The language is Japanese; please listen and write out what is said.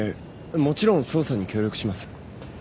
もちろん捜査に協力します。